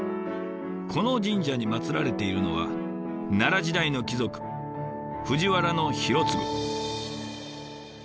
この神社にまつられているのは奈良時代の貴族藤原広嗣。